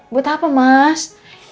buat apa mas